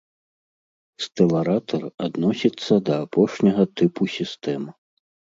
Стэларатар адносіцца да апошняга тыпу сістэм.